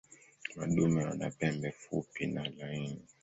Madume wana pembe fupi na laini.